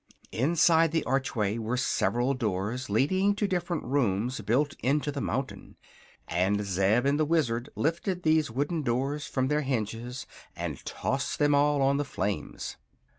Inside the archway were several doors, leading to different rooms built into the mountain, and Zeb and the Wizard lifted these wooden doors from their hinges and tossed them all on the flames.